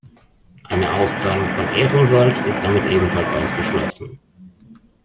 Eine Auszahlung von Ehrensold ist damit ebenfalls ausgeschlossen.